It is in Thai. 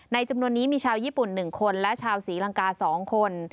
จำนวนนี้มีชาวญี่ปุ่น๑คนและชาวศรีลังกา๒คน